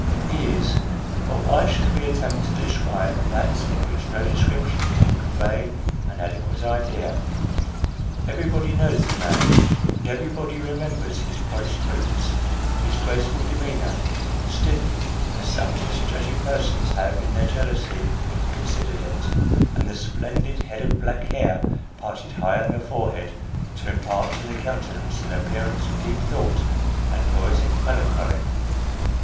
He is but why should we attempt to describe that of which no description can convey an adequate idea ? Everybody knows the man, and everybody remembers his polished boots, his graceful demeanour, stiff, as some misjudging persons have in their jealousy considered it, and the splendid head of black hair, parted high on the forehead, to impart to the countenance an appearance of deep thought and poetic melancholy.